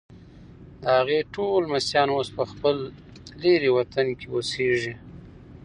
د هغې ټول لمسیان اوس په خپل لیرې وطن کې اوسیږي.